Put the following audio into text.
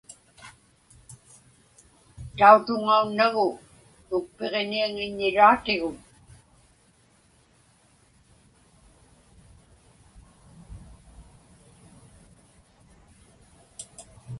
Tautuŋaunnagu ukpiġiniaŋiññiraatigut.